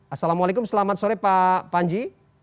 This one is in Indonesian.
assalamualaikum selamat sore pak panji